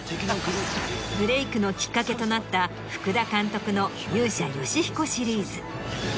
ブレイクのきっかけとなった福田監督の『勇者ヨシヒコ』シリーズ。